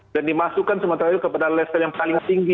dan dimasukkan sumatera barat itu ke level yang paling tinggi